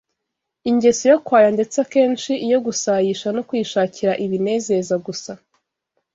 ingeso yo kwaya ndetse akenshi iyo gusayisha no kwishakira ibinezeza gusa